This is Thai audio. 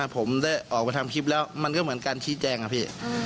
ผมได้ออกมาทำคลิปแล้วมันก็เหมือนการชี้แจงอะพี่